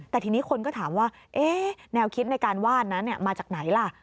แต่ทีนี้คนก็ถามว่าแนวคิดในการว่านนั้นมาจากไหนล่ะ